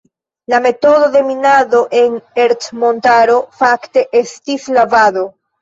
La metodo de minado en Ercmontaro fakte estis "lavado".